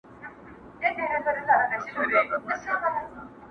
اخلو انتقام به له تیارو یاره